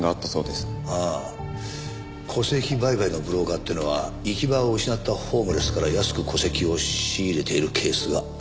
ああ戸籍売買のブローカーっていうのは行き場を失ったホームレスから安く戸籍を仕入れているケースがある。